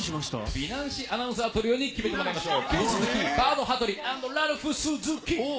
美男子アナウンサートリオに決めてもらいましょう。